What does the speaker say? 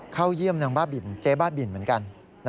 เข้าเยี่ยมนางบ้าบินเจ๊บ้าบินเหมือนกัน